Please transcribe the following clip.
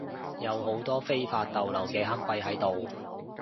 有好多非法逗留嘅黑鬼喺度